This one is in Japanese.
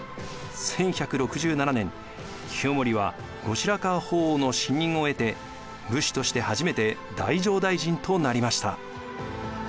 １１６７年清盛は後白河法皇の信任を得て武士として初めて太政大臣となりました。